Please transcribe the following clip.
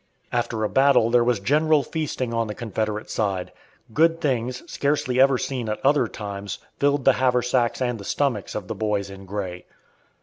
After a battle there was general feasting on the Confederate side. Good things, scarcely ever seen at other times, filled the haversacks and the stomachs of the "Boys in Gray."